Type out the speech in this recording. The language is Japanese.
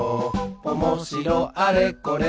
「おもしろあれこれ